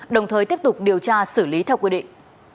đồng thời tiếp tục điều tra xử lý theo quy định